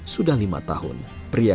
sudah lima tahun pria